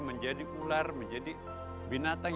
menjadi ular menjadi binatang